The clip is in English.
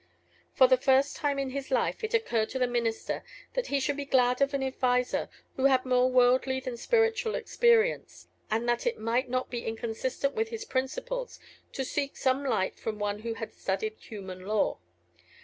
For the first time in his life it occurred to the minister that he should be glad of an adviser who had more worldly than spiritual experience, and that it might not be inconsistent with his principles to seek some light from one who had studied human law.